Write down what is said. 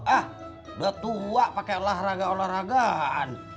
ah udah tua pakai olahraga olahragaan